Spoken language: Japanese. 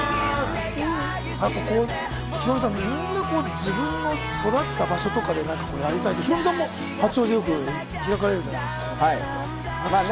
やっぱヒロミさん、みんな自分の育った場所とかでやりたいってヒロミさんも八王子でよく開かれてますよね。